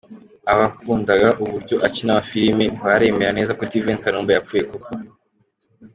Abakundaga uburyo akina amafilimi, ntibaremera neza ko Steven Kanumba yapfuye koko .